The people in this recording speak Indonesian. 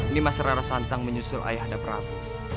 nimas rarasantang menyusul ayah dan prabu